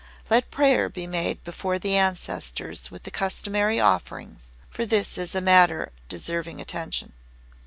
Let prayer be made before the Ancestors with the customary offerings, for this is a matter deserving attention."